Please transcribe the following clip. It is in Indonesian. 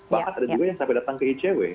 bahkan ada juga yang sampai datang ke icw